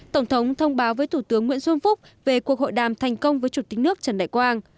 tổng thống thông báo với thủ tướng nguyễn xuân phúc về cuộc hội đàm thành công với chủ tịch nước trần đại quang